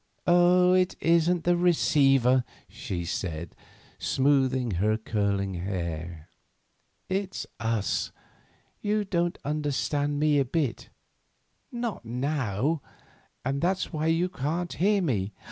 "Oh, it isn't the receiver," she said, smoothing her curling hair; "it's us. You don't understand me a bit—not now—and that's why you can't hear me.